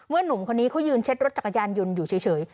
หนุ่มคนนี้เขายืนเช็ดรถจักรยานยนต์อยู่เฉย